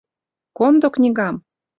— Кондо книгам!